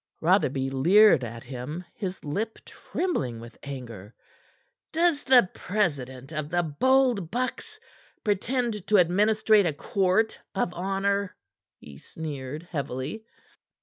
Rotherby leered at him, his lip trembling with anger. "Does the president of the Bold Bucks pretend to administrate a court of honor?" he sneered heavily.